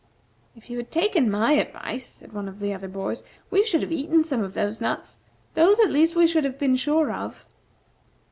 "If you had taken my advice," said one of the other boys, "we should have eaten some of the nuts. Those, at least, we should have been sure of."